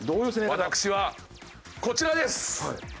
私はこちらです。